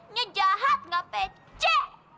nye jahat gak pece